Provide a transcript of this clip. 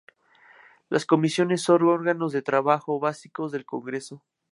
Las Comisiones son órganos de trabajo básicos del Congreso.